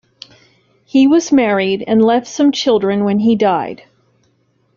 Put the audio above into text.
He was married and left some children when he died.